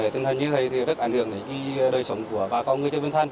tình hình như thế thì rất ảnh hưởng đến đời sống của bà con người chơi vinh thanh